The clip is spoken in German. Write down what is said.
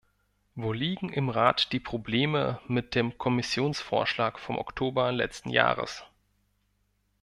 Wo liegen im Rat die Probleme mit dem Kommissionsvorschlag vom Oktober letzten Jahres?